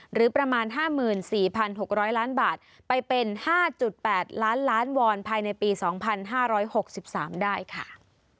หรือประมาณ๕๔๖๐๐ล้านบาทไปเป็น๕๘ล้านล้านวอนภายในปี๒๕๖๓ได้ค่ะ